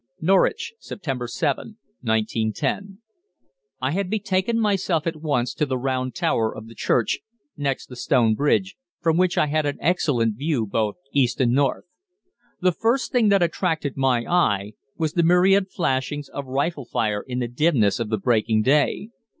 = NORWICH, September 7th, 1910. "I had betaken myself at once to the round tower of the church, next the Stone Bridge, from which I had an excellent view both east and north. The first thing that attracted my eye was the myriad flashings of rifle fire in the dimness of the breaking day.